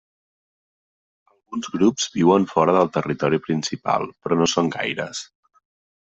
Alguns grups viuen fora del territori principal però no són gaires.